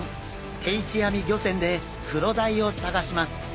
定置網漁船でクロダイを探します。